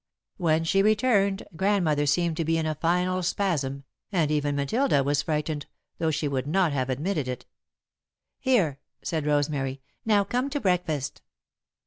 When she returned, Grandmother seemed to be in a final spasm, and even Matilda was frightened, though she would not have admitted it. "Here," said Rosemary. "Now come to breakfast."